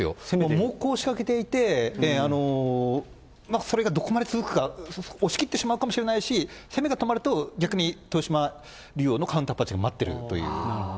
猛攻しかけていて、まあ、それがどこまで続くか、押し切ってしまうかもしれないし、攻めが止まると、逆に豊島竜王のカウンターパンチが待っているという。